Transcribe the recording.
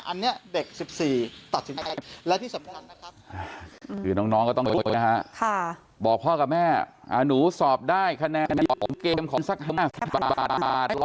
อันนี้เด็ก๑๔ตัดสินค้า